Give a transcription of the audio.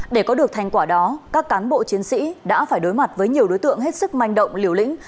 để có được thành quả đó các cán bộ chiến sĩ đã phải đối mặt với nhiều đối tượng hết sức manh động liều lĩnh